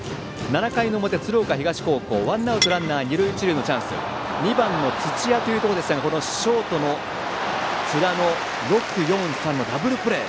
７回の表、鶴岡東高校ワンアウトランナー二塁一塁のチャンスで２番、土屋のところでしたがショートの津田の６―４―３のダブルプレー